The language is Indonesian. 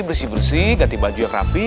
bersih bersih ganti baju yang rapi